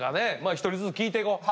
一人ずつ聞いていこう。